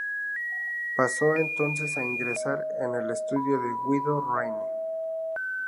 Pasó entonces a ingresar en el estudio de Guido Reni.